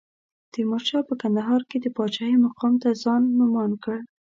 تیمورشاه په کندهار کې د پاچاهۍ مقام ته ځان نوماند کړ.